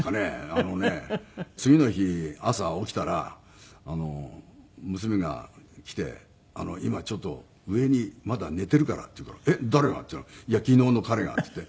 あのね次の日朝起きたら娘が来て「今ちょっと上にまだ寝てるから」って言うから「えっ誰が？」って言ったら「いや昨日の彼が」って言って。